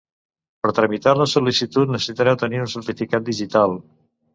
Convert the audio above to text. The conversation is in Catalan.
Per tramitar la sol·licitud necessitareu tenir un certificat digital.